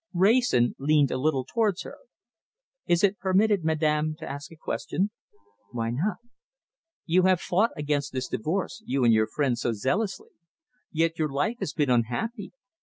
Wrayson leaned a little towards her. "Is it permitted, Madame, to ask a question?" "Why not?" "You have fought against this divorce, you and your friends, so zealously. Yet your life has been unhappy.